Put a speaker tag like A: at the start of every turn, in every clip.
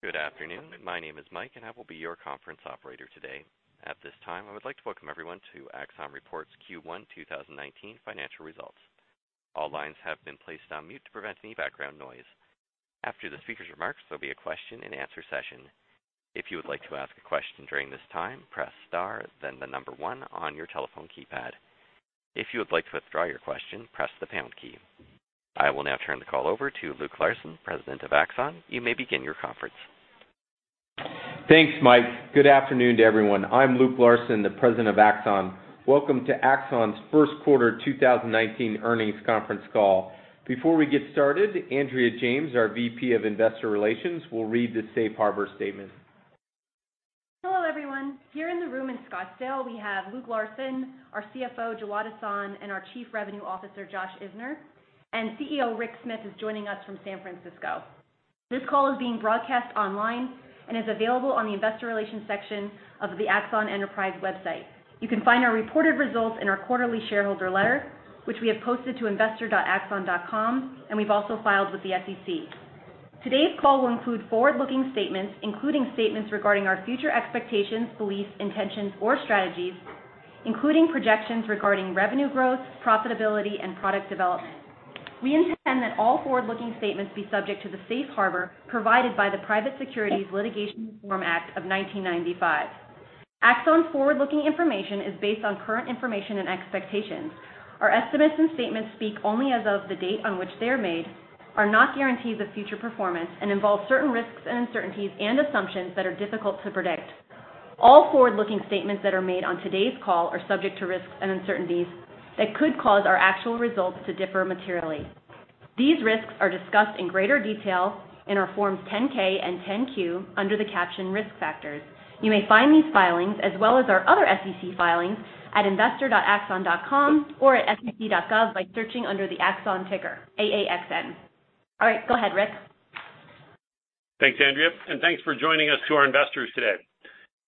A: Good afternoon. My name is Mike, and I will be your conference operator today. At this time, I would like to welcome everyone to Axon Report's Q1 2019 financial results. All lines have been placed on mute to prevent any background noise. After the speaker's remarks, there'll be a question and answer session. If you would like to ask a question during this time, press star then the number one on your telephone keypad. If you would like to withdraw your question, press the pound key. I will now turn the call over to Luke Larson, President of Axon. You may begin your conference.
B: Thanks, Mike. Good afternoon to everyone. I'm Luke Larson, the President of Axon. Welcome to Axon's first quarter 2019 earnings conference call. Before we get started, Andrea James, our VP of Investor Relations, will read the safe harbor statement.
C: Hello, everyone. Here in the room in Scottsdale, we have Luke Larson, our CFO, Jawad Ahsan, and our Chief Revenue Officer, Josh Isner, and CEO Rick Smith is joining us from San Francisco. This call is being broadcast online and is available on the investor relations section of the Axon Enterprise website. You can find our reported results and our quarterly shareholder letter, which we have posted to investor.axon.com, and we've also filed with the SEC. Today's call will include forward-looking statements, including statements regarding our future expectations, beliefs, intentions, or strategies, including projections regarding revenue growth, profitability, and product development. We intend that all forward-looking statements be subject to the safe harbor provided by the Private Securities Litigation Reform Act of 1995. Axon's forward-looking information is based on current information and expectations. Our estimates and statements speak only as of the date on which they are made, are not guarantees of future performance, and involve certain risks and uncertainties and assumptions that are difficult to predict. All forward-looking statements that are made on today's call are subject to risks and uncertainties that could cause our actual results to differ materially. These risks are discussed in greater detail in our forms 10-K and 10-Q under the caption Risk Factors. You may find these filings as well as our other SEC filings at investor.axon.com or at sec.gov by searching under the Axon ticker, AAXN. All right. Go ahead, Rick.
D: Thanks, Andrea, thanks for joining us to our investors today.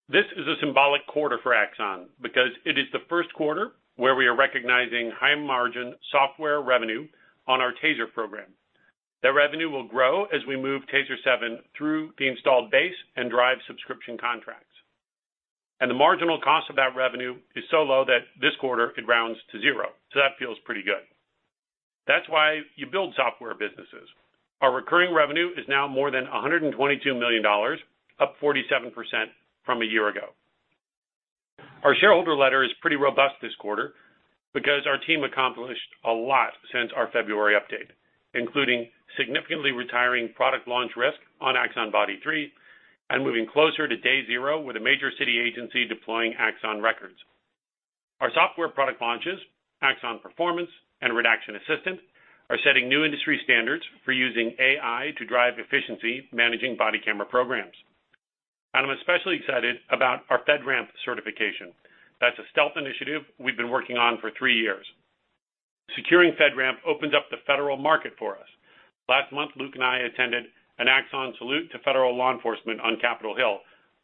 D: This is a symbolic quarter for Axon because it is the first quarter where we are recognizing high-margin software revenue on our TASER program. That revenue will grow as we move TASER 7 through the installed base and drive subscription contracts. The marginal cost of that revenue is so low that this quarter it rounds to zero, that feels pretty good. That's why you build software businesses. Our recurring revenue is now more than $122 million, up 47% from a year ago. Our shareholder letter is pretty robust this quarter because our team accomplished a lot since our February update, including significantly retiring product launch risk on Axon Body 3 and moving closer to day zero with a major city agency deploying Axon Records. Our software product launches, Axon Performance and Redaction Assistant, are setting new industry standards for using AI to drive efficiency managing body camera programs. I'm especially excited about our FedRAMP certification. That's a stealth initiative we've been working on for three years. Securing FedRAMP opens up the federal market for us. Last month, Luke and I attended an Axon salute to federal law enforcement on Capitol Hill,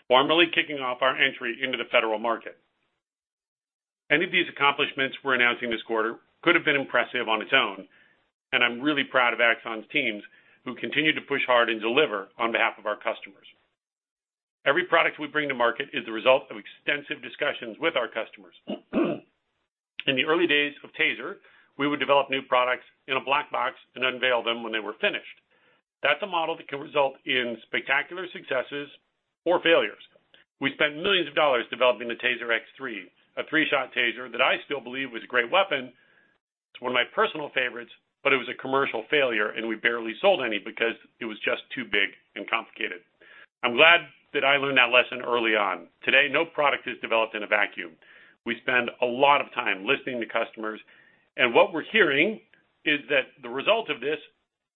D: formally kicking off our entry into the federal market. Any of these accomplishments we're announcing this quarter could have been impressive on its own, I'm really proud of Axon's teams who continue to push hard and deliver on behalf of our customers. Every product we bring to market is the result of extensive discussions with our customers. In the early days of TASER, we would develop new products in a black box and unveil them when they were finished. That's a model that can result in spectacular successes or failures. We spent millions of dollars developing the TASER X3, a three-shot TASER that I still believe was a great weapon. It's one of my personal favorites, it was a commercial failure, we barely sold any because it was just too big and complicated. I'm glad that I learned that lesson early on. Today, no product is developed in a vacuum. We spend a lot of time listening to customers, what we're hearing is that the result of this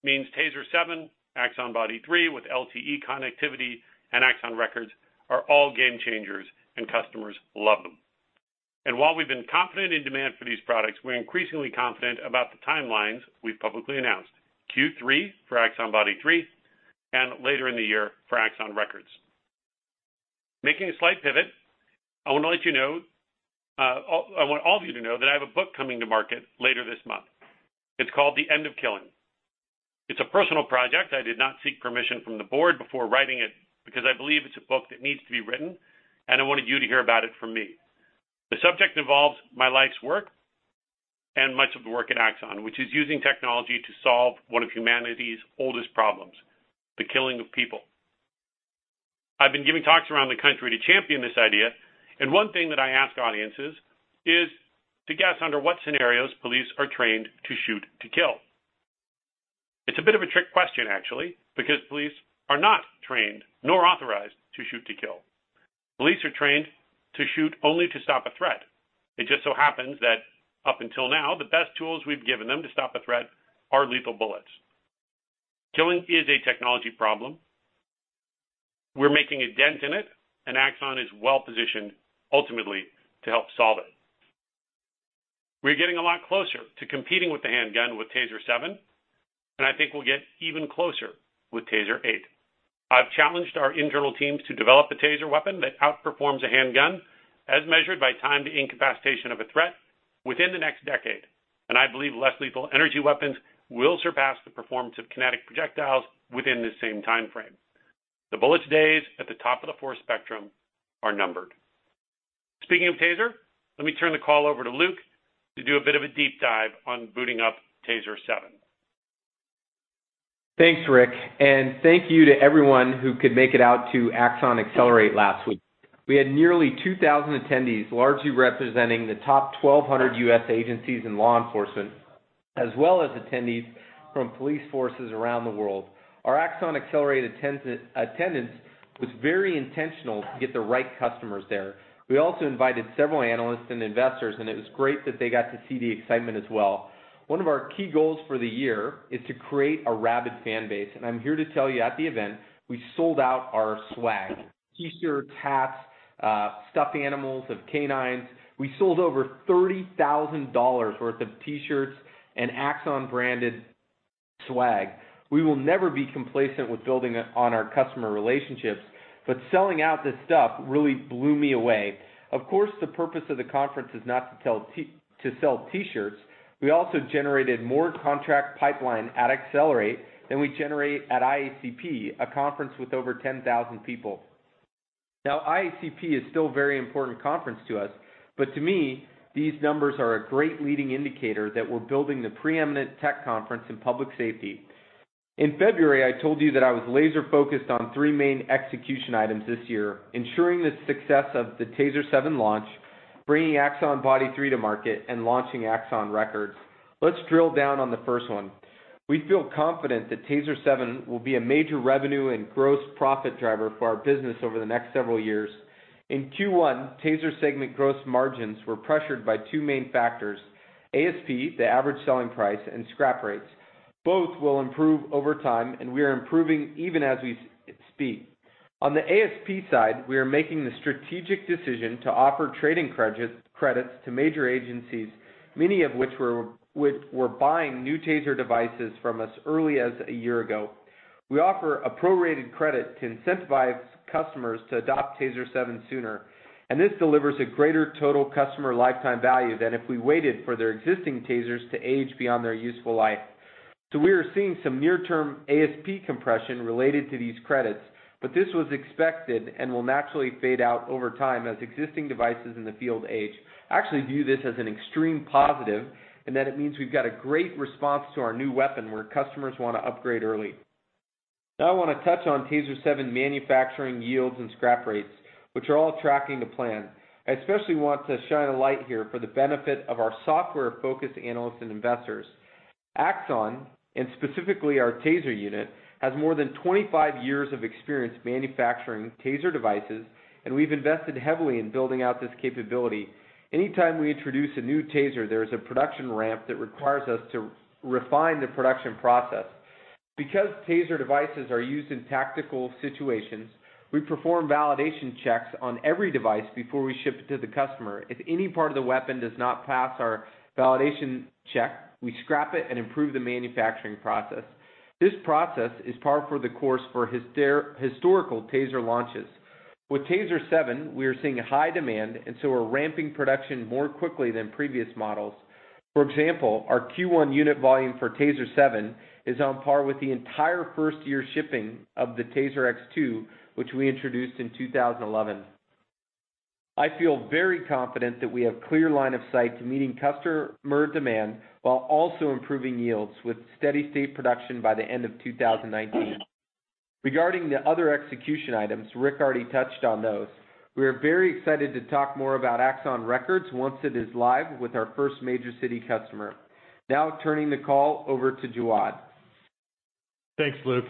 D: means TASER 7, Axon Body 3 with LTE connectivity, Axon Records are all game changers, customers love them. While we've been confident in demand for these products, we're increasingly confident about the timelines we've publicly announced: Q3 for Axon Body 3 and later in the year for Axon Records. Making a slight pivot, I want to let you know, I want all of you to know that I have a book coming to market later this month. It's called "The End of Killing." It's a personal project. I did not seek permission from the board before writing it because I believe it's a book that needs to be written, I wanted you to hear about it from me. The subject involves my life's work and much of the work at Axon, which is using technology to solve one of humanity's oldest problems, the killing of people. I've been giving talks around the country to champion this idea, one thing that I ask audiences is to guess under what scenarios police are trained to shoot to kill. It's a bit of a trick question actually, because police are not trained nor authorized to shoot to kill. Police are trained to shoot only to stop a threat. It just so happens that up until now, the best tools we've given them to stop a threat are lethal bullets. Killing is a technology problem. We're making a dent in it, and Axon is well-positioned, ultimately, to help solve it. We're getting a lot closer to competing with the handgun with TASER 7, and I think we'll get even closer with TASER 8. I've challenged our internal teams to develop a TASER weapon that outperforms a handgun as measured by time to incapacitation of a threat Within the next decade, I believe less lethal energy weapons will surpass the performance of kinetic projectiles within the same timeframe. The bullets days at the top of the force spectrum are numbered. Speaking of TASER, let me turn the call over to Luke to do a bit of a deep dive on booting up TASER 7.
B: Thanks, Rick. Thank you to everyone who could make it out to Axon Accelerate last week. We had nearly 2,000 attendees, largely representing the top 1,200 U.S. agencies and law enforcement, as well as attendees from police forces around the world. Our Axon Accelerate attendance was very intentional to get the right customers there. We also invited several analysts and investors, and it was great that they got to see the excitement as well. One of our key goals for the year is to create a rabid fan base, and I'm here to tell you at the event, we sold out our swag. T-shirts, hats, stuffed animals of canines. We sold over $30,000 worth of T-shirts and Axon-branded swag. We will never be complacent with building on our customer relationships, selling out this stuff really blew me away. Of course, the purpose of the conference is not to sell T-shirts. We also generated more contract pipeline at Accelerate than we generate at IACP, a conference with over 10,000 people. Now, IACP is still very important conference to us, to me, these numbers are a great leading indicator that we're building the preeminent tech conference in public safety. In February, I told you that I was laser-focused on three main execution items this year, ensuring the success of the TASER 7 launch, bringing Axon Body 3 to market, and launching Axon Records. Let's drill down on the first one. We feel confident that TASER 7 will be a major revenue and gross profit driver for our business over the next several years. In Q1, TASER segment gross margins were pressured by two main factors: ASP, the average selling price, and scrap rates. Both will improve over time, we are improving even as we speak. On the ASP side, we are making the strategic decision to offer trade-in credits to major agencies, many of which were buying new TASER devices from us early as a year ago. We offer a prorated credit to incentivize customers to adopt TASER 7 sooner, this delivers a greater total customer lifetime value than if we waited for their existing TASERs to age beyond their useful life. We are seeing some near-term ASP compression related to these credits, this was expected and will naturally fade out over time as existing devices in the field age. I actually view this as an extreme positive, that it means we've got a great response to our new weapon where customers want to upgrade early. Now I want to touch on TASER 7 manufacturing yields and scrap rates, which are all tracking to plan. I especially want to shine a light here for the benefit of our software-focused analysts and investors. Axon, and specifically our TASER unit, has more than 25 years of experience manufacturing TASER devices, and we've invested heavily in building out this capability. Anytime we introduce a new TASER, there is a production ramp that requires us to refine the production process. Because TASER devices are used in tactical situations, we perform validation checks on every device before we ship it to the customer. If any part of the weapon does not pass our validation check, we scrap it and improve the manufacturing process. This process is par for the course for historical TASER launches. With TASER 7, we are seeing high demand, we're ramping production more quickly than previous models. For example, our Q1 unit volume for TASER 7 is on par with the entire first-year shipping of the TASER X2, which we introduced in 2011. I feel very confident that we have clear line of sight to meeting customer demand while also improving yields with steady state production by the end of 2019. Regarding the other execution items, Rick already touched on those. We are very excited to talk more about Axon Records once it is live with our first major city customer. Now turning the call over to Jawad.
E: Thanks, Luke.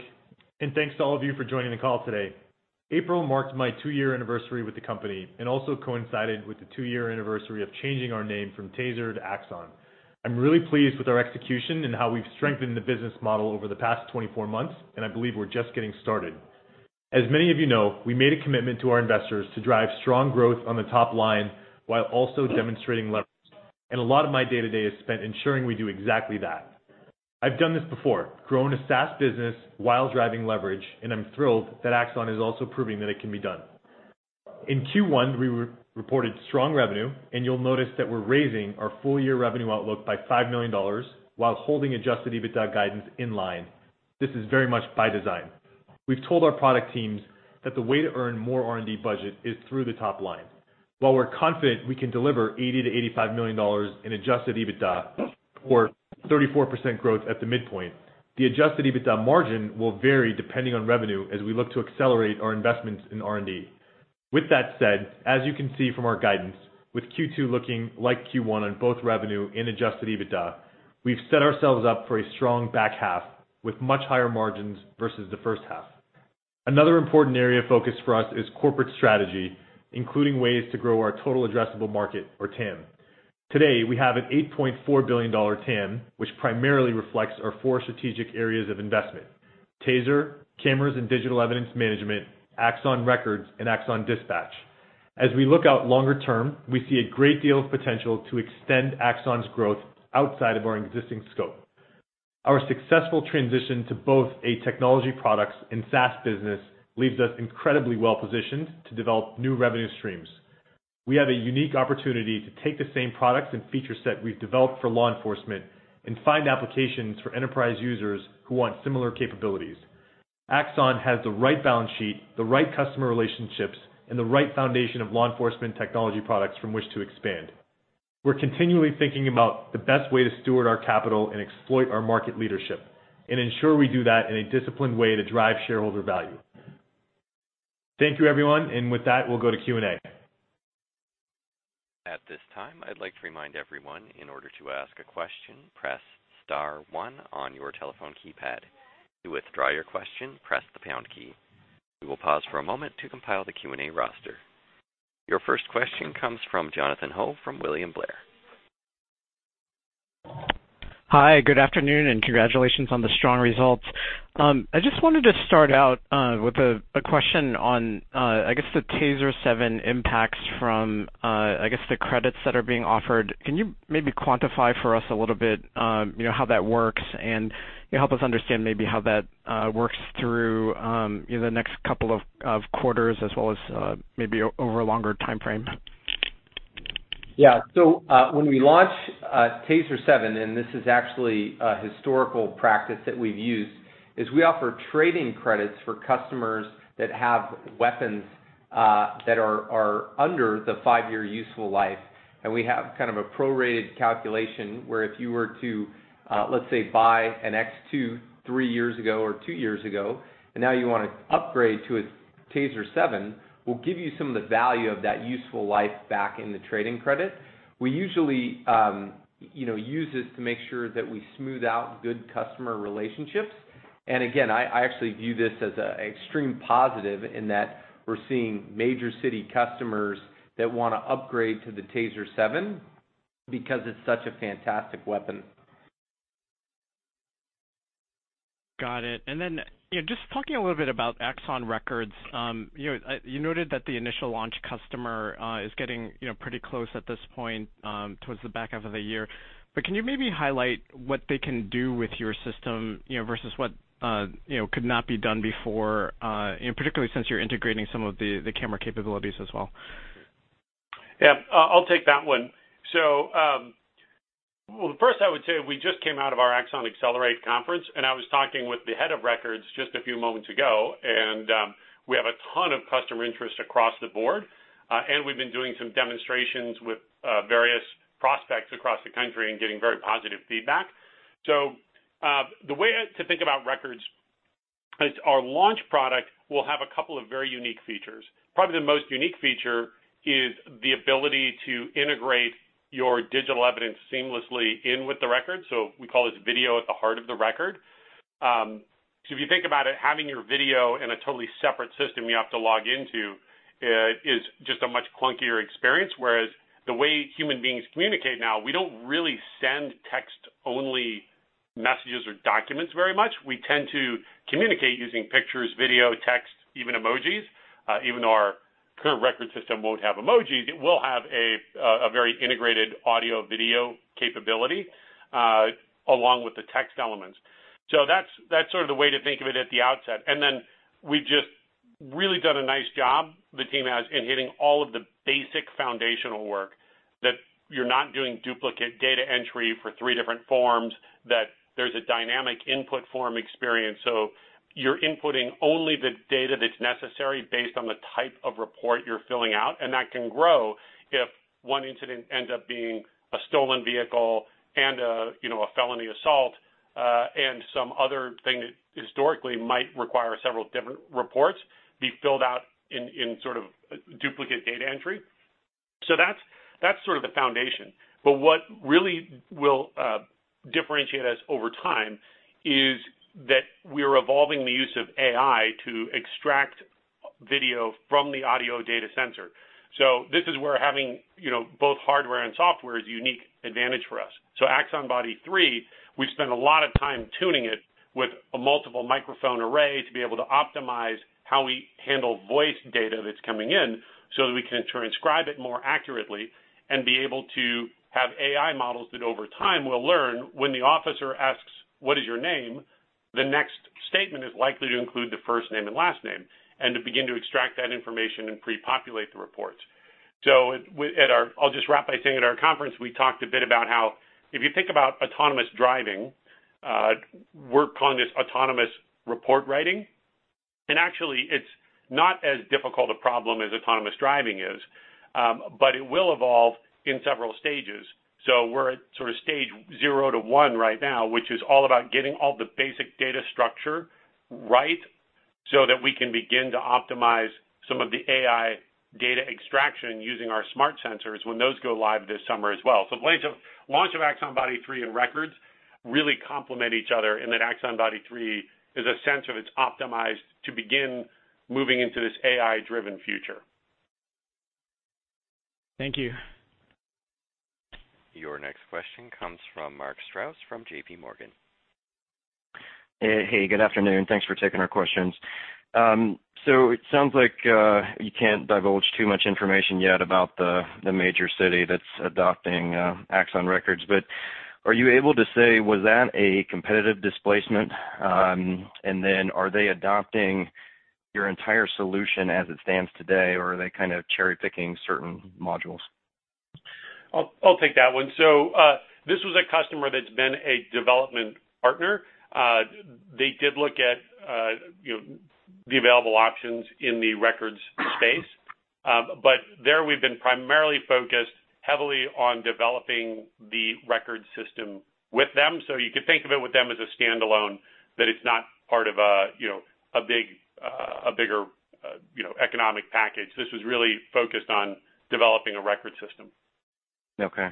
E: Thanks to all of you for joining the call today. April marked my two-year anniversary with the company and also coincided with the two-year anniversary of changing our name from TASER to Axon. I'm really pleased with our execution and how we've strengthened the business model over the past 24 months, I believe we're just getting started. As many of you know, we made a commitment to our investors to drive strong growth on the top line while also demonstrating leverage. A lot of my day-to-day is spent ensuring we do exactly that. I've done this before, grown a SaaS business while driving leverage, I'm thrilled that Axon is also proving that it can be done. In Q1, we reported strong revenue, you'll notice that we're raising our full-year revenue outlook by $5 million while holding adjusted EBITDA guidance in line. This is very much by design. We've told our product teams that the way to earn more R&D budget is through the top line. While we're confident we can deliver $80 million-$85 million in adjusted EBITDA or 34% growth at the midpoint, the adjusted EBITDA margin will vary depending on revenue as we look to accelerate our investments in R&D. With that said, as you can see from our guidance, with Q2 looking like Q1 on both revenue and adjusted EBITDA, we've set ourselves up for a strong back half with much higher margins versus the first half. Another important area of focus for us is corporate strategy, including ways to grow our total addressable market or TAM. Today, we have an $8.4 billion TAM, which primarily reflects our four strategic areas of investment: TASER, Cameras and Digital Evidence Management, Axon Records, and Axon Dispatch. As we look out longer term, we see a great deal of potential to extend Axon's growth outside of our existing scope. Our successful transition to both a technology products and SaaS business leaves us incredibly well-positioned to develop new revenue streams. We have a unique opportunity to take the same products and feature set we've developed for law enforcement and find applications for enterprise users who want similar capabilities. Axon has the right balance sheet, the right customer relationships, and the right foundation of law enforcement technology products from which to expand. We're continually thinking about the best way to steward our capital and exploit our market leadership and ensure we do that in a disciplined way to drive shareholder value. Thank you, everyone. With that, we'll go to Q&A.
A: At this time, I'd like to remind everyone, in order to ask a question, press star one on your telephone keypad. To withdraw your question, press the pound key. We will pause for a moment to compile the Q&A roster. Your first question comes from Jonathan Ho from William Blair.
F: Hi, good afternoon, congratulations on the strong results. I just wanted to start out with a question on the TASER 7 impacts from the credits that are being offered. Can you maybe quantify for us a little bit how that works and help us understand maybe how that works through the next couple of quarters as well as maybe over a longer timeframe?
E: When we launch TASER 7, this is actually a historical practice that we've used, is we offer trade-in credits for customers that have weapons that are under the five-year useful life. We have kind of a prorated calculation where if you were to, let's say, buy an X2 three years ago or two years ago, now you want to upgrade to a TASER 7, we'll give you some of the value of that useful life back in the trade-in credit. We usually use this to make sure that we smooth out good customer relationships. Again, I actually view this as an extreme positive in that we're seeing major city customers that want to upgrade to the TASER 7 because it's such a fantastic weapon.
F: Got it. Just talking a little bit about Axon Records. You noted that the initial launch customer is getting pretty close at this point towards the back half of the year. Can you maybe highlight what they can do with your system versus what could not be done before, particularly since you're integrating some of the camera capabilities as well?
D: Yeah. I'll take that one. Well, first I would say we just came out of our Axon Accelerate conference, I was talking with the head of Records just a few moments ago, we have a ton of customer interest across the board. We've been doing some demonstrations with various prospects across the country and getting very positive feedback. The way to think about Records is our launch product will have a couple of very unique features. Probably the most unique feature is the ability to integrate your digital evidence seamlessly in with the record. We call this video at the heart of the record. If you think about it, having your video in a totally separate system you have to log into is just a much clunkier experience. Whereas the way human beings communicate now, we don't really send text-only messages or documents very much. We tend to communicate using pictures, video, text, even emojis. Even though our current record system won't have emojis, it will have a very integrated audio/video capability, along with the text elements. That's sort of the way to think of it at the outset. We've just really done a nice job, the team has, in hitting all of the basic foundational work that you're not doing duplicate data entry for three different forms, that there's a dynamic input form experience. You're inputting only the data that's necessary based on the type of report you're filling out. that can grow if one incident ends up being a stolen vehicle and a felony assault, and some other thing that historically might require several different reports be filled out in sort of duplicate data entry. That's sort of the foundation. What really will differentiate us over time is that we're evolving the use of AI to extract video from the audio data sensor. This is where having both hardware and software is a unique advantage for us. Axon Body 3, we've spent a lot of time tuning it with a multiple microphone array to be able to optimize how we handle voice data that's coming in so that we can transcribe it more accurately and be able to have AI models that over time will learn when the officer asks, "What is your name?" the next statement is likely to include the first name and last name, and to begin to extract that information and pre-populate the reports. I'll just wrap by saying at our conference, we talked a bit about how, if you think about autonomous driving, work on this autonomous report writing, and actually it's not as difficult a problem as autonomous driving is. It will evolve in several stages. We're at sort of stage 0 to 1 right now, which is all about getting all the basic data structure right so that we can begin to optimize some of the AI data extraction using our smart sensors when those go live this summer as well. Launch of Axon Body 3 and Records really complement each other in that Axon Body 3 is a sensor that's optimized to begin moving into this AI-driven future.
F: Thank you.
A: Your next question comes from Mark Strouse from J.P. Morgan.
G: Hey, good afternoon. Thanks for taking our questions. It sounds like you can't divulge too much information yet about the major city that's adopting Axon Records, but are you able to say, was that a competitive displacement? Are they adopting your entire solution as it stands today, or are they kind of cherry-picking certain modules?
D: I'll take that one. This was a customer that's been a development partner. They did look at the available options in the records space, there we've been primarily focused heavily on developing the record system with them. You could think of it with them as a standalone, that it's not part of a bigger economic package. This was really focused on developing a record system.
G: Okay.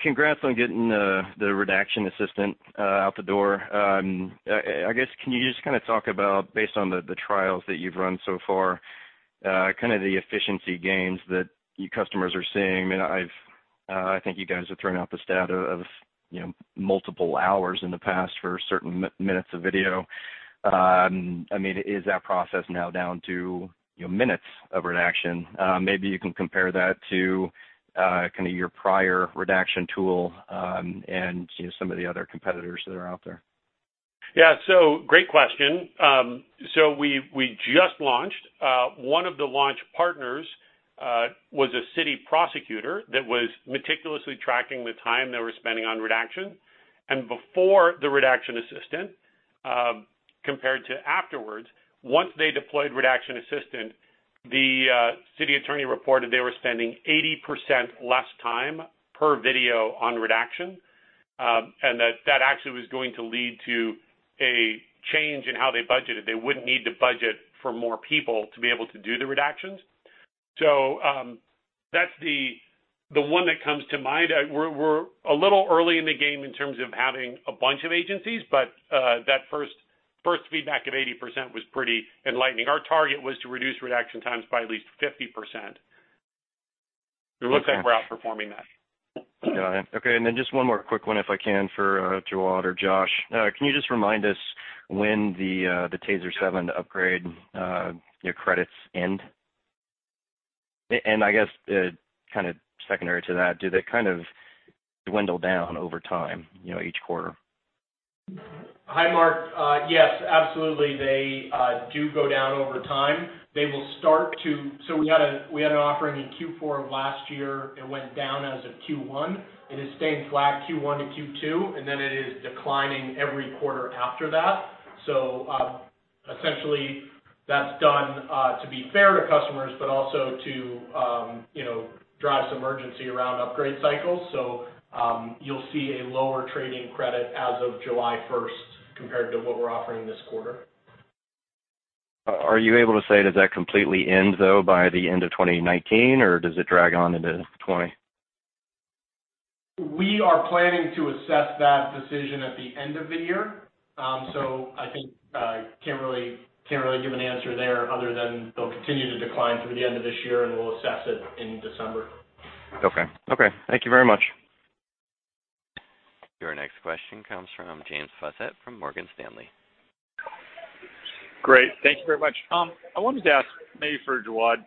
G: Congrats on getting the Redaction Assistant out the door. I guess, can you just kind of talk about, based on the trials that you've run so far, kind of the efficiency gains that your customers are seeing? I think you guys have thrown out the stat of multiple hours in the past for certain minutes of video. Is that process now down to minutes of redaction? Maybe you can compare that to kind of your prior redaction tool, and some of the other competitors that are out there.
D: Yeah. Great question. We just launched. One of the launch partners was a city prosecutor that was meticulously tracking the time they were spending on redaction. Before the Redaction Assistant, compared to afterwards, once they deployed Redaction Assistant, the city attorney reported they were spending 80% less time per video on redaction, and that that actually was going to lead to a change in how they budgeted. They wouldn't need to budget for more people to be able to do the redactions. That's the one that comes to mind. We're a little early in the game in terms of having a bunch of agencies, but that first feedback of 80% was pretty enlightening. Our target was to reduce redaction times by at least 50%. It looks like we're outperforming that.
G: Got it. Just one more quick one if I can for Jawad or Josh. Can you just remind us when the TASER 7 upgrade credits end? I guess kind of secondary to that, do they kind of dwindle down over time, each quarter?
E: Hi, Mark. Yes, absolutely. They do go down over time. We had an offering in Q4 of last year. It went down as of Q1. It has stayed flat Q1 to Q2, and then it is declining every quarter after that. Essentially that's done to be fair to customers, but also to drive some urgency around upgrade cycles. You'll see a lower trading credit as of July 1st compared to what we're offering this quarter.
G: Are you able to say, does that completely end though by the end of 2019, or does it drag on into 2020?
E: We are planning to assess that decision at the end of the year. I think I can't really give an answer there other than they'll continue to decline through the end of this year, and we'll assess it in December.
G: Okay. Thank you very much.
A: Your next question comes from James Faucette from Morgan Stanley.
H: Great. Thank you very much. I wanted to ask, maybe for Jawad,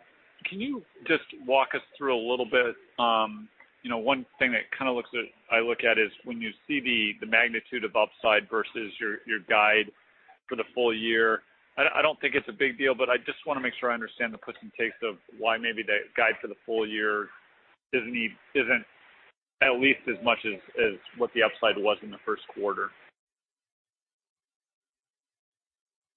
H: can you just walk us through a little bit, one thing that kind of I look at is when you see the magnitude of upside versus your guide for the full year. I don't think it's a big deal, but I just want to make sure I understand the puts and takes of why maybe the guide for the full year isn't at least as much as what the upside was in the first quarter.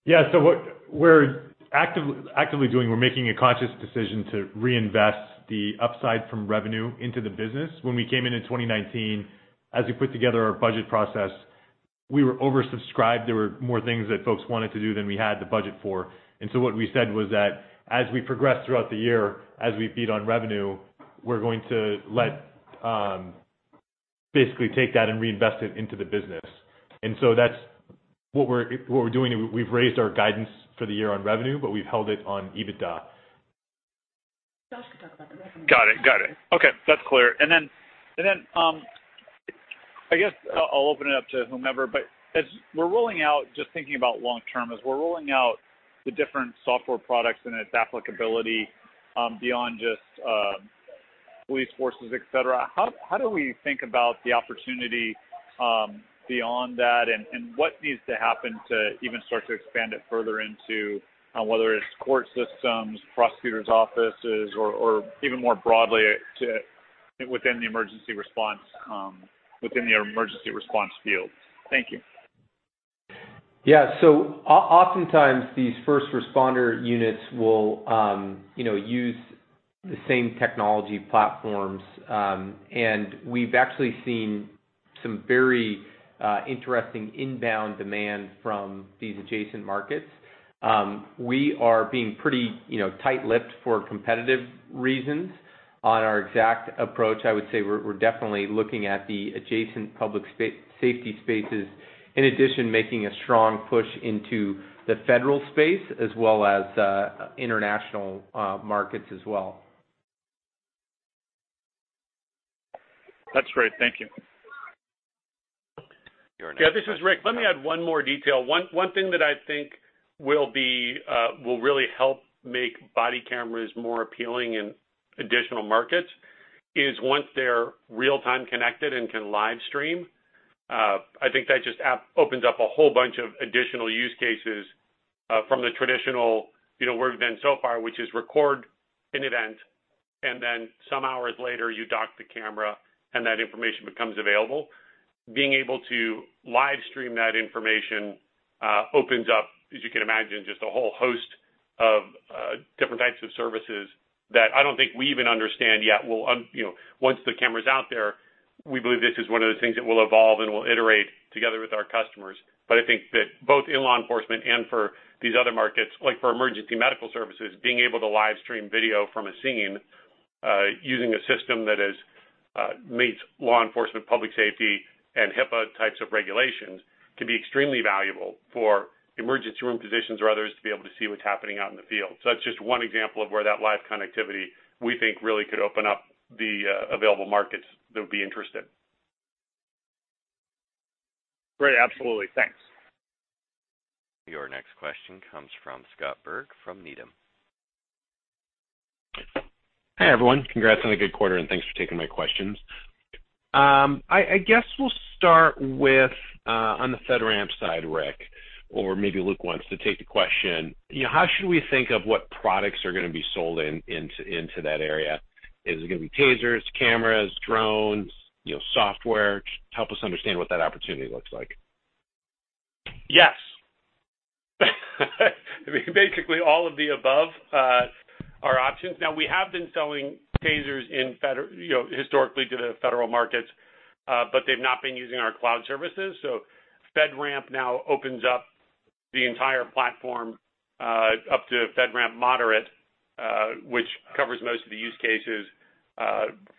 E: What we're actively doing, we're making a conscious decision to reinvest the upside from revenue into the business. When we came in in 2019, as we put together our budget process, we were oversubscribed. There were more things that folks wanted to do than we had the budget for. What we said was that as we progress throughout the year, as we feed on revenue, we're going to basically take that and reinvest it into the business. That's what we're doing, and we've raised our guidance for the year on revenue, but we've held it on EBITDA.
D: Josh could talk about the revenue.
H: Got it. Okay. That's clear. I guess I'll open it up to whomever, but as we're rolling out, just thinking about long-term, as we're rolling out the different software products and its applicability, beyond just police forces, et cetera, how do we think about the opportunity, beyond that, and what needs to happen to even start to expand it further into, whether it's court systems, prosecutor's offices, or even more broadly within the emergency response field. Thank you.
D: Oftentimes these first responder units will use the same technology platforms, and we've actually seen some very interesting inbound demand from these adjacent markets. We are being pretty tight-lipped for competitive reasons on our exact approach. I would say we're definitely looking at the adjacent public safety spaces, in addition, making a strong push into the federal space as well as international markets as well.
H: That's great. Thank you.
A: Your next-
D: Yeah, this is Rick. Let me add one more detail. One thing that I think will really help make body cameras more appealing in additional markets is once they're real-time connected and can live stream, I think that just opens up a whole bunch of additional use cases from the traditional, where we've been so far, which is record an event, and then some hours later you dock the camera, and that information becomes available. Being able to live stream that information opens up, as you can imagine, just a whole host of different types of services that I don't think we even understand yet. Once the camera's out there, we believe this is one of the things that we'll evolve and we'll iterate together with our customers. I think that both in law enforcement and for these other markets, like for emergency medical services, being able to live stream video from a scene, using a system that meets law enforcement, public safety, and HIPAA types of regulations, can be extremely valuable for emergency room physicians or others to be able to see what's happening out in the field. That's just one example of where that live connectivity, we think, really could open up the available markets that would be interested.
H: Great. Absolutely. Thanks.
A: Your next question comes from Scott Berg from Needham.
I: Hi, everyone. Congrats on a good quarter, and thanks for taking my questions. I guess we'll start with on the FedRAMP side, Rick, or maybe Luke wants to take the question. How should we think of what products are going to be sold into that area? Is it going to be TASERs, cameras, drones, software? Help us understand what that opportunity looks like.
D: Yes. Basically, all of the above are options. Now, we have been selling TASERs historically to the federal markets, but they've not been using our cloud services. FedRAMP now opens up the entire platform up to FedRAMP moderate, which covers most of the use cases,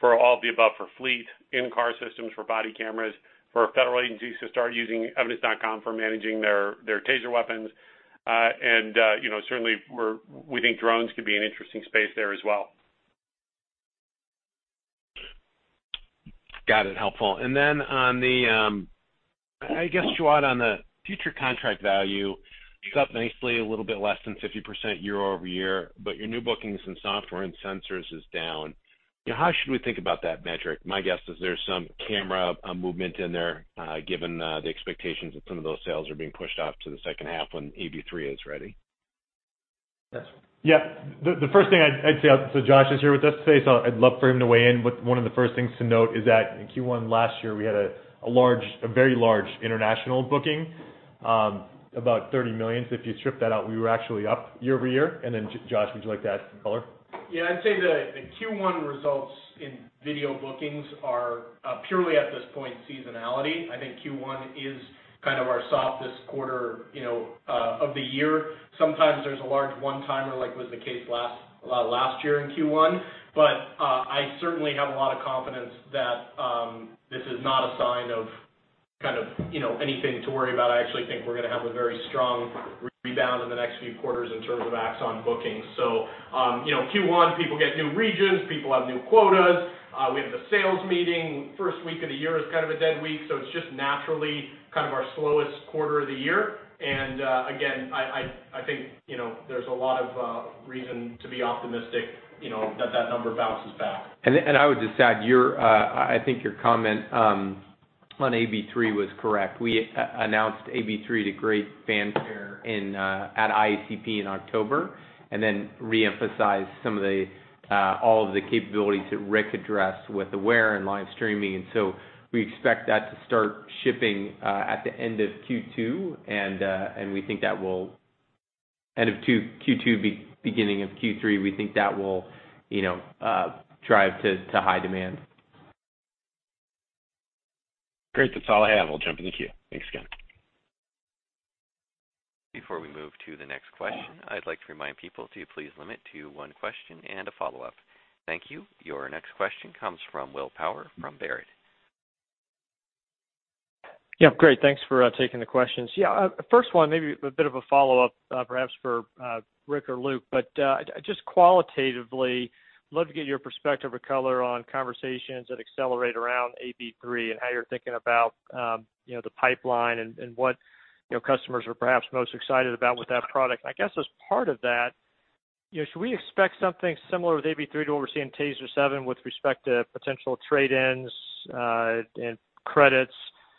D: for all of the above, for fleet, in-car systems, for body cameras, for federal agencies to start using evidence.com for managing their TASER weapons. Certainly, we think drones could be an interesting space there as well.
I: Got it. Helpful. On the, I guess, Jawad, on the future contract value, you got nicely a little bit less than 50% year-over-year, but your new bookings in software and sensors is down. How should we think about that metric? My guess is there's some camera movement in there, given the expectations that some of those sales are being pushed off to the second half when AB3 is ready.
E: Yes. The first thing I'd say, Josh is here with us today, I'd love for him to weigh in, but one of the first things to note is that in Q1 last year, we had a very large international booking, about $30 million. If you strip that out, we were actually up year-over-year. Josh, would you like to add some color?
J: I'd say the Q1 results in video bookings are purely, at this point, seasonality. I think Q1 is kind of our softest quarter of the year. Sometimes there's a large one-timer, like was the case last year in Q1. I certainly have a lot of confidence that this is not a sign of anything to worry about. I actually think we're going to have a very strong rebound in the next few quarters in terms of Axon bookings. Q1, people get new regions. People have new quotas. We have the sales meeting. First week of the year is kind of a dead week, so it's just naturally kind of our slowest quarter of the year. Again, I think there's a lot of reason to be optimistic that that number bounces back.
E: I would just add, I think your comment on AB3 was correct. We announced AB3 to great fanfare at IACP in October, reemphasized all of the capabilities that Rick addressed with Aware and live streaming. We expect that to start shipping at the end of Q2, beginning of Q3. We think that will drive to high demand.
I: Great. That's all I have. I'll jump in the queue. Thanks again.
A: Before we move to the next question, I'd like to remind people to please limit to one question and a follow-up. Thank you. Your next question comes from Will Power from Baird.
K: Great. Thanks for taking the questions. First one, maybe a bit of a follow-up perhaps for Rick or Luke. Just qualitatively, love to get your perspective or color on conversations at Accelerate around AB3 and how you're thinking about the pipeline and what your customers are perhaps most excited about with that product. I guess as part of that, should we expect something similar with AB3 to what we're seeing in TASER 7 with respect to potential trade-ins and credits?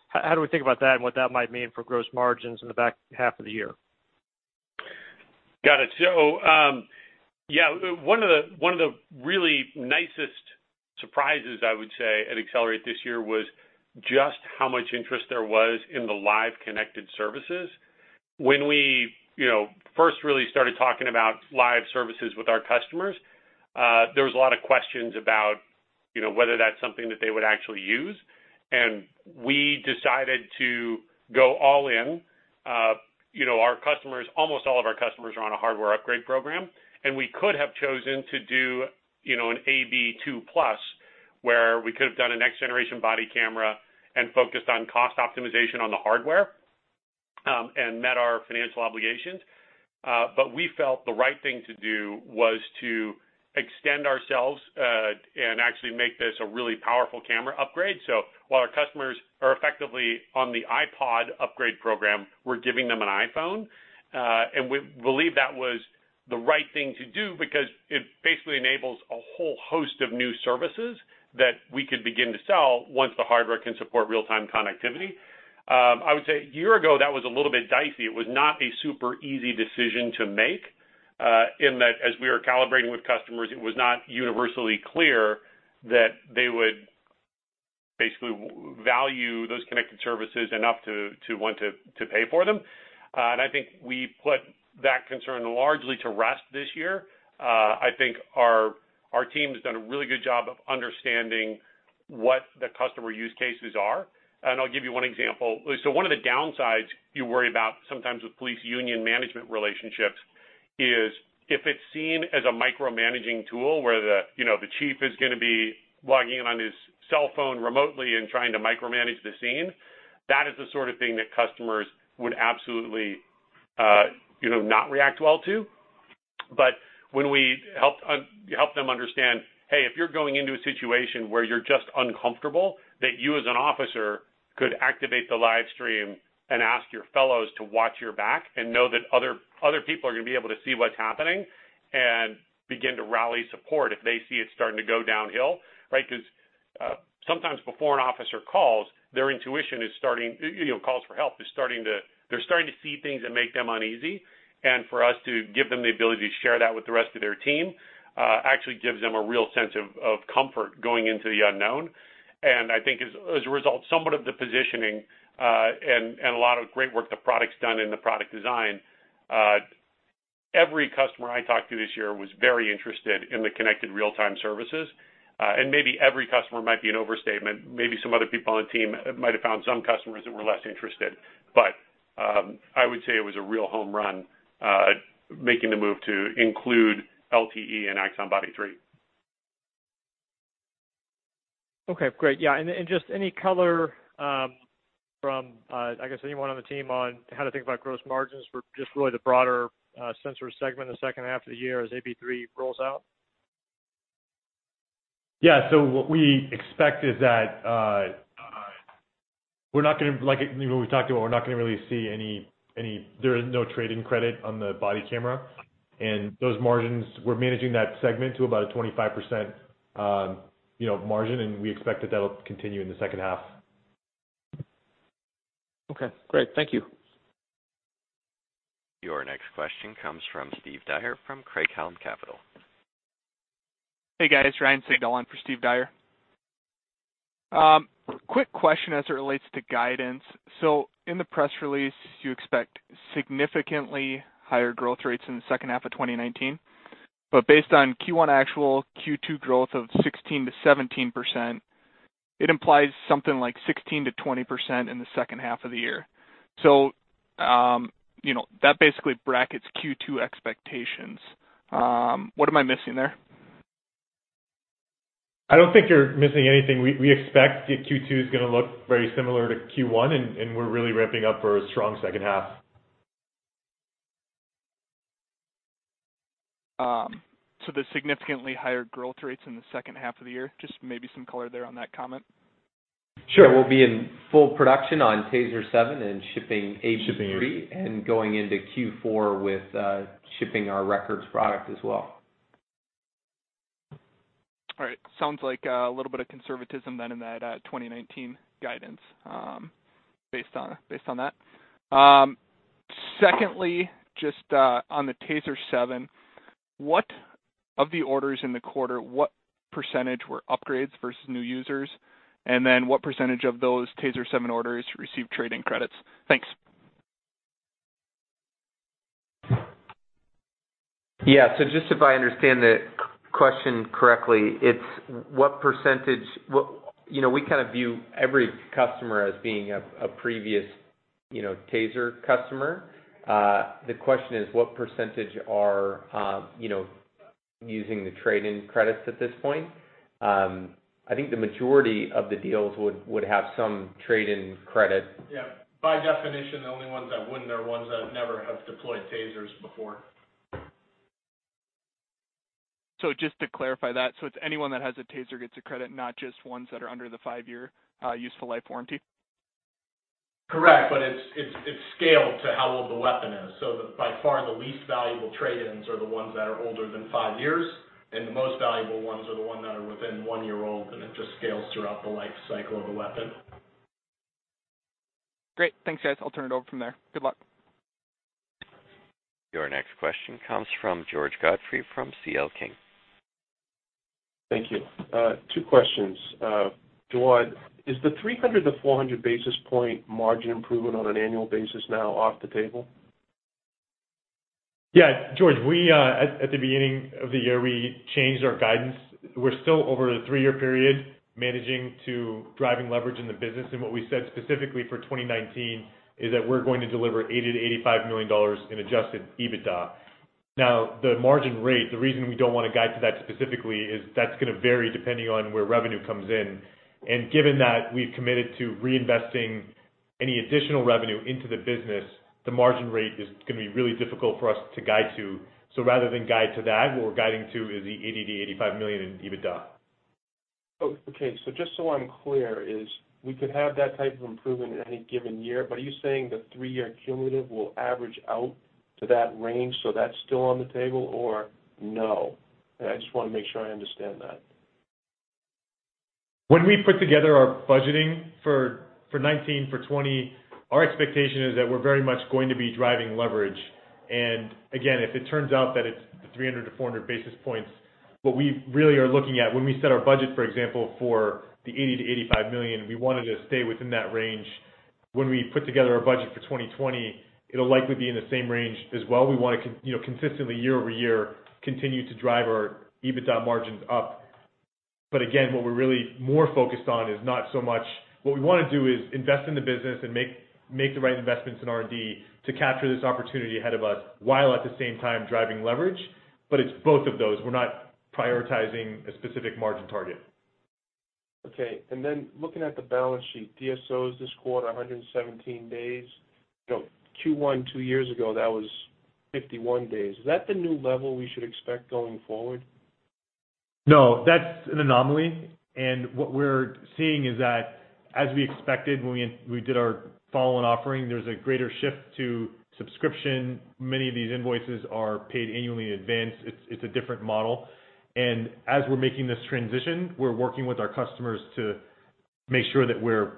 K: How do we think about that and what that might mean for gross margins in the back half of the year?
D: Got it. One of the really nicest surprises, I would say, at Accelerate this year was just how much interest there was in the live connected services. When we first really started talking about live services with our customers, there was a lot of questions about whether that's something that they would actually use, and we decided to go all in. Almost all of our customers are on a hardware upgrade program, and we could have chosen to do an AB2 Plus where we could have done a next-generation body camera and focused on cost optimization on the hardware and met our financial obligations. We felt the right thing to do was to extend ourselves, and actually make this a really powerful camera upgrade. While our customers are effectively on the iPod upgrade program, we're giving them an iPhone. We believe that was the right thing to do because it basically enables a whole host of new services that we could begin to sell once the hardware can support real-time connectivity. I would say a year ago, that was a little bit dicey. It was not a super easy decision to make, in that as we were calibrating with customers, it was not universally clear that they would basically value those connected services enough to want to pay for them. I think we put that concern largely to rest this year. I think our team has done a really good job of understanding what the customer use cases are. I'll give you one example. One of the downsides you worry about sometimes with police union management relationships is if it's seen as a micromanaging tool where the chief is going to be logging in on his cell phone remotely and trying to micromanage the scene. That is the sort of thing that customers would absolutely not react well to. When we help them understand, hey, if you're going into a situation where you're just uncomfortable, that you as an officer could activate the live stream and ask your fellows to watch your back and know that other people are going to be able to see what's happening and begin to rally support if they see it starting to go downhill, right? Because sometimes before an officer calls for help, they're starting to see things that make them uneasy. For us to give them the ability to share that with the rest of their team, actually gives them a real sense of comfort going into the unknown. I think as a result, somewhat of the positioning, and a lot of great work the product's done in the product design, every customer I talked to this year was very interested in the connected real-time services. Maybe every customer might be an overstatement. Maybe some other people on the team might have found some customers that were less interested, but I would say it was a real home run, making the move to include LTE and Axon Body 3.
K: Okay, great. Yeah, just any color from, I guess anyone on the team on how to think about gross margins for just really the broader sensor segment the second half of the year as AB3 rolls out?
E: Yeah. What we expect is that, like we talked about, there is no trade-in credit on the body camera. Those margins, we're managing that segment to about a 25% margin, and we expect that will continue in the second half.
K: Okay, great. Thank you.
A: Your next question comes from Steve Dyer from Craig-Hallum Capital.
L: Hey, guys. Ryan Sigdel on for Steve Dyer. Quick question as it relates to guidance. In the press release, you expect significantly higher growth rates in the second half of 2019. Based on Q1 actual, Q2 growth of 16%-17%, it implies something like 16%-20% in the second half of the year. That basically brackets Q2 expectations. What am I missing there?
E: I don't think you're missing anything. We expect that Q2's going to look very similar to Q1, and we're really ramping up for a strong second half.
L: The significantly higher growth rates in the second half of the year, just maybe some color there on that comment?
B: Sure. We'll be in full production on TASER 7 and shipping AB3 and going into Q4 with shipping our Records product as well.
L: All right. Sounds like a little bit of conservatism then in that 2019 guidance, based on that. Secondly, just on the TASER 7, of the orders in the quarter, what % were upgrades versus new users? What % of those TASER 7 orders received trade-in credits? Thanks.
J: Yeah. Just if I understand the question correctly, it's what percentage. We kind of view every customer as being a previous TASER customer. The question is, what percentage are using the trade-in credits at this point? I think the majority of the deals would have some trade-in credit.
E: Yeah. By definition, the only ones that wouldn't are ones that never have deployed TASERs before.
L: Just to clarify that, it's anyone that has a TASER gets a credit, not just ones that are under the five-year useful life warranty?
E: Correct. It's scaled to how old the weapon is. By far, the least valuable trade-ins are the ones that are older than five years, the most valuable ones are the ones that are within one year old, it just scales throughout the life cycle of a weapon.
L: Great. Thanks, guys. I'll turn it over from there. Good luck.
A: Your next question comes from George Godfrey from C.L. King.
M: Thank you. Two questions. Jawad, is the 300 to 400 basis point margin improvement on an annual basis now off the table?
E: Yeah. George, at the beginning of the year, we changed our guidance. We're still over a three-year period managing to driving leverage in the business. What we said specifically for 2019 is that we're going to deliver $80 million-$85 million in adjusted EBITDA. Now, the margin rate, the reason we don't want to guide to that specifically is that's going to vary depending on where revenue comes in. Given that we've committed to reinvesting any additional revenue into the business, the margin rate is going to be really difficult for us to guide to. Rather than guide to that, what we're guiding to is the $80 million-$85 million in EBITDA.
M: Just so I'm clear, is we could have that type of improvement in any given year, but are you saying the three-year cumulative will average out to that range, so that's still on the table, or no? I just want to make sure I understand that.
E: When we put together our budgeting for 2019, for 2020, our expectation is that we're very much going to be driving leverage. Again, if it turns out that it's the 300 to 400 basis points, what we really are looking at when we set our budget, for example, for the $80 million-$85 million, we wanted to stay within that range. When we put together our budget for 2020, it'll likely be in the same range as well. We want to consistently year-over-year, continue to drive our EBITDA margins up. Again, what we're really more focused on is What we want to do is invest in the business and make the right investments in R&D to capture this opportunity ahead of us, while at the same time driving leverage. It's both of those. We're not prioritizing a specific margin target.
M: Looking at the balance sheet, DSOs this quarter, 117 days. Q1 two years ago, that was 51 days. Is that the new level we should expect going forward?
E: No, that's an anomaly. What we're seeing is that as we expected when we did our follow-on offering, there's a greater shift to subscription. Many of these invoices are paid annually in advance. It's a different model. As we're making this transition, we're working with our customers to make sure that we're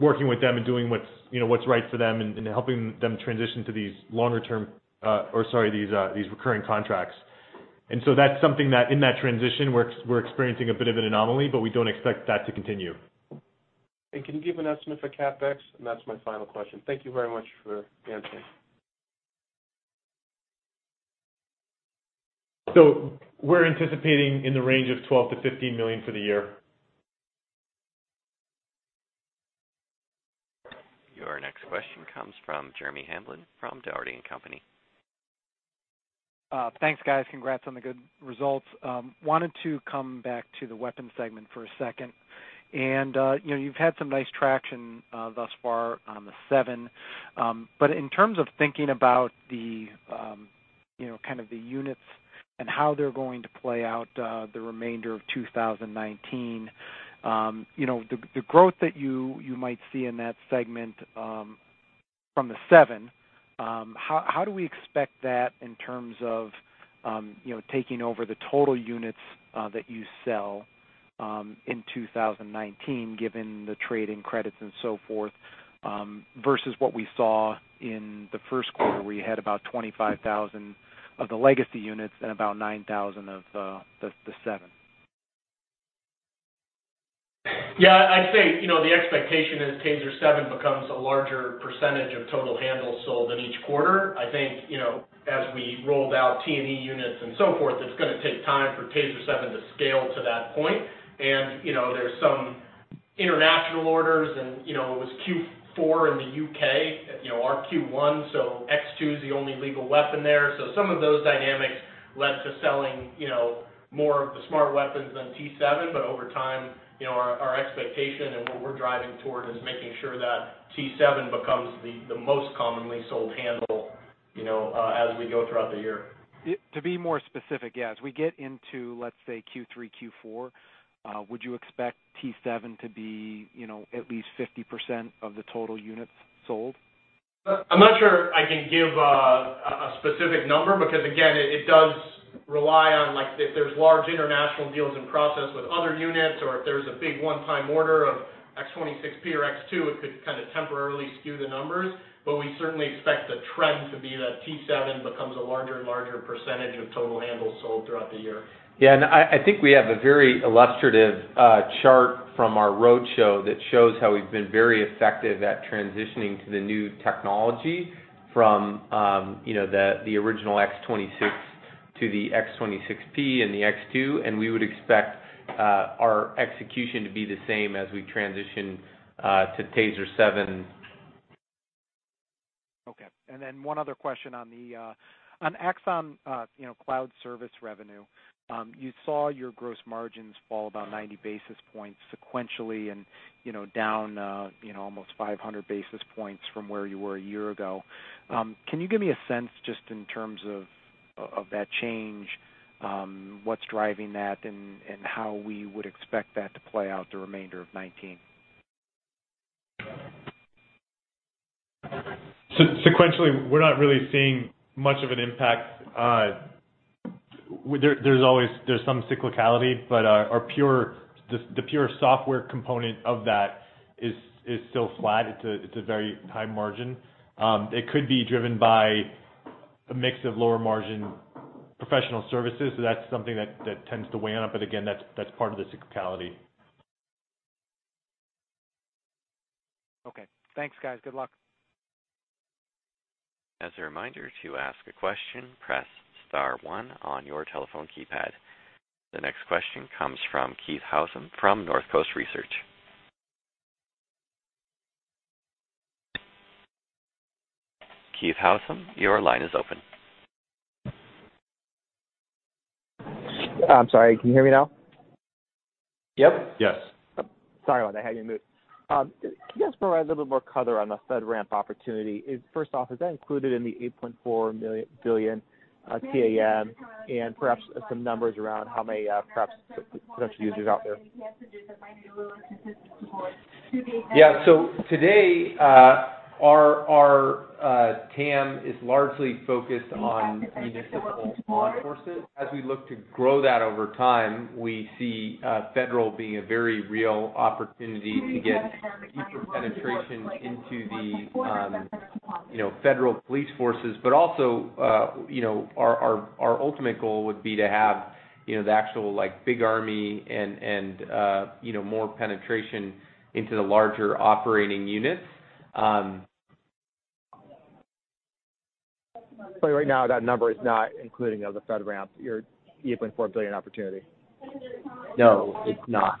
E: working with them and doing what's right for them and helping them transition to these longer term, or sorry, these recurring contracts. That's something that in that transition, we're experiencing a bit of an anomaly, but we don't expect that to continue.
M: Can you give an estimate for CapEx? That's my final question. Thank you very much for answering.
E: We're anticipating in the range of $12 million-$15 million for the year.
A: Your next question comes from Jeremy Hamblin from Dougherty & Company.
N: Thanks, guys. Congrats on the good results. Wanted to come back to the weapon segment for a second. You've had some nice traction thus far on the 7. In terms of thinking about the units and how they're going to play out the remainder of 2019. The growth that you might see in that segment, from the 7, how do we expect that in terms of taking over the total units that you sell in 2019, given the trade-in credits and so forth, versus what we saw in the first quarter where you had about 25,000 of the legacy units and about 9,000 of the 7?
J: I'd say, the expectation is TASER 7 becomes a larger percentage of total handles sold in each quarter. I think, as we roll out T&E units and so forth, it's going to take time for TASER 7 to scale to that point. There's some international orders, and it was Q4 in the U.K., our Q1, so X2 is the only legal weapon there. Some of those dynamics led to selling more of the Smart Weapons than T7, but over time, our expectation and what we're driving toward is making sure that T7 becomes the most commonly sold handle as we go throughout the year.
N: To be more specific, as we get into, let's say Q3, Q4, would you expect T7 to be at least 50% of the total units sold?
J: I'm not sure I can give a specific number because, again, it does rely on if there's large international deals in process with other units, or if there's a big one-time order of X26P or X2, it could kind of temporarily skew the numbers. We certainly expect the trend to be that T7 becomes a larger and larger percentage of total handles sold throughout the year.
E: I think we have a very illustrative chart from our roadshow that shows how we've been very effective at transitioning to the new technology from the original X26 to the X26P and the X2, and we would expect our execution to be the same as we transition to TASER 7.
N: Okay. One other question on the Axon cloud service revenue. You saw your gross margins fall about 90 basis points sequentially and down almost 500 basis points from where you were a year ago. Can you give me a sense just in terms of that change, what's driving that and how we would expect that to play out the remainder of 2019?
E: Sequentially, we're not really seeing much of an impact. There's some cyclicality, the pure software component of that is still flat. It's a very high margin. It could be driven by a mix of lower margin professional services. That's something that tends to weigh on it. Again, that's part of the cyclicality.
N: Okay. Thanks, guys. Good luck.
A: As a reminder, to ask a question, press star one on your telephone keypad. The next question comes from Keith Housum from Northcoast Research. Keith Housum, your line is open.
O: I'm sorry, can you hear me now?
B: Yep.
J: Yes.
O: Sorry about that. Had you muted. Can you guys provide a little bit more color on the FedRAMP opportunity? First off, is that included in the $8.4 billion TAM, and perhaps some numbers around how many potential users out there?
B: Yeah. Today, our TAM is largely focused on municipal law enforcement. As we look to grow that over time, we see federal being a very real opportunity to get deeper penetration into the federal police forces. Also, our ultimate goal would be to have the actual big army and more penetration into the larger operating units.
O: Right now, that number is not including the FedRAMP, your $8.4 billion opportunity?
B: No, it's not.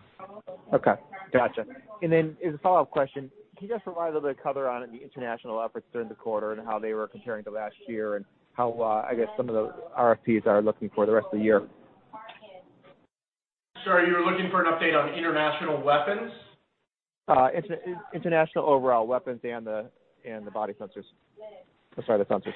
O: Okay. Got you. As a follow-up question, can you just provide a little bit of color on the international efforts during the quarter and how they were comparing to last year and how some of the RFPs are looking for the rest of the year?
J: Sorry, you were looking for an update on international weapons?
O: International overall, weapons and the body sensors. I'm sorry, the sensors.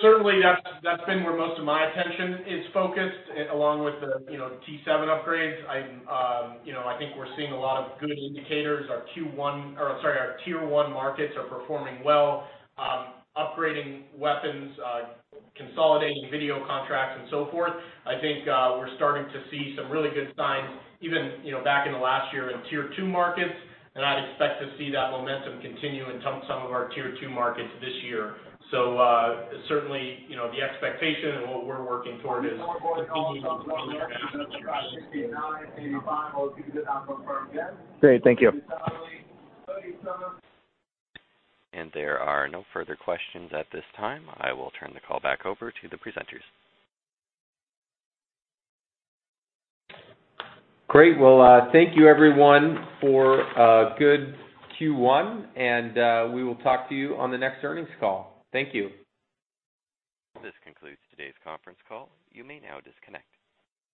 J: Certainly, that's been where most of my attention is focused, along with the T7 upgrades. I think we're seeing a lot of good indicators. Our tier 1 markets are performing well, upgrading weapons, consolidating video contracts, and so forth. I think we're starting to see some really good signs, even back in the last year in tier 2 markets, and I'd expect to see that momentum continue in some of our tier 2 markets this year. Certainly, the expectation and what we're working toward is continuing to grow internationally as well.
O: Great. Thank you.
A: There are no further questions at this time. I will turn the call back over to the presenters.
B: Great. Well, thank you everyone for a good Q1. We will talk to you on the next earnings call. Thank you.
A: This concludes today's conference call. You may now disconnect.